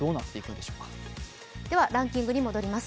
では、ランキングに戻ります